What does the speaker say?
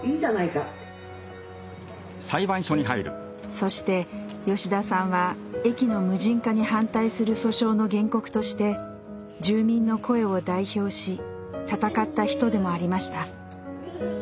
そして吉田さんは駅の無人化に反対する訴訟の原告として住民の声を代表し闘った人でもありました。